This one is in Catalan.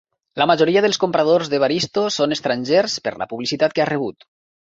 La majoria dels compradors d'Evaristo són estrangers per la publicitat que ha rebut.